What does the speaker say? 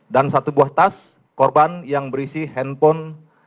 dan satu buah tas korban yang berisi handphone